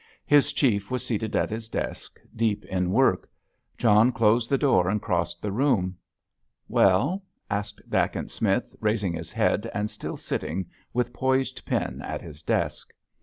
His Chief was seated at his desk, deep in work. John closed the door and crossed the room. "Well?" asked Dacent Smith, raising his head and still sitting with poised pen at his desk.